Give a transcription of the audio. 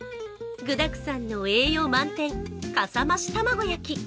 具だくさんの栄養満点かさ増し卵焼き。